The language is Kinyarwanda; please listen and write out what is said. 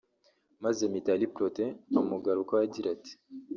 maze Mitali Protais amugarukaho agira ati